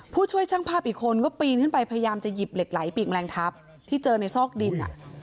ผู้ช่วยช่างภาพอีกคนก็ปีนขึ้นไปพยายามจะหยิบเหล็กไหลปีกแรงทับที่เจอในซอกดิน